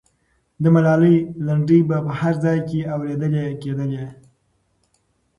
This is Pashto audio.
د ملالۍ لنډۍ به په هر ځای کې اورېدلې کېدلې.